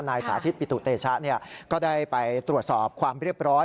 สาธิตปิตุเตชะก็ได้ไปตรวจสอบความเรียบร้อย